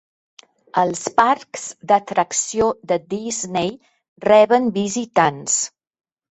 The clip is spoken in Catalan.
Els parcs d'atracció de Disney reben visitants